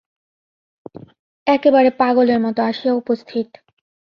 একেবারে পাগলের মতো আসিয়া উপস্থিত।